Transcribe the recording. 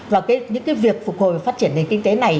và những việc phục hồi và phát triển nền kinh tế này